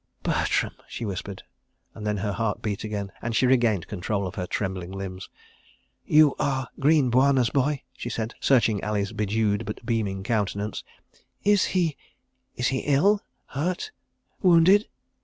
"Bertram!" she whispered, and then her heart beat again, and she regained control of her trembling limbs. "You are Greene Bwana's boy!" she said, searching Ali's bedewed but beaming countenance. "Is he—is he ill—hurt—wounded?"